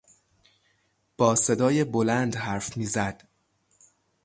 با صدای بلند حرف میزد.